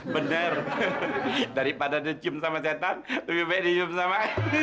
bener daripada dicium sama tetan lebih baik dicium sama